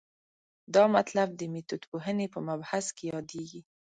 دا مطلب د میتودپوهنې په مبحث کې یادېږي.